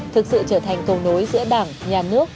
thực sự trở thành cầu nối giữa đảng nhà nước